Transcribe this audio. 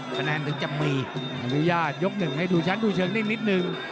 ขนาดนึงจะมียกหนึ่งให้ดูชั้นดูเฉิงนิดนึง